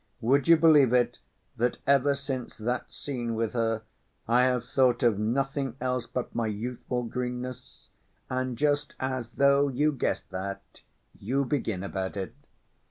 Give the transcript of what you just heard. "Would you believe it that ever since that scene with her, I have thought of nothing else but my youthful greenness, and just as though you guessed that, you begin about it.